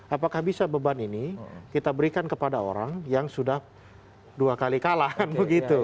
apakah bisa beban ini kita berikan kepada orang yang sudah dua kali kalah kan begitu